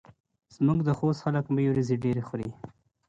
زموږ د خوست خلک مۍ وریژې ډېرې خوري.